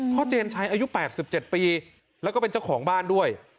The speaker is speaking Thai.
เจนชัยอายุ๘๗ปีแล้วก็เป็นเจ้าของบ้านด้วย